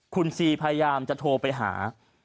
คุณซีพยายามจะโทรไปหา